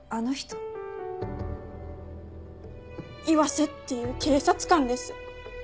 岩瀬っていう警察官です。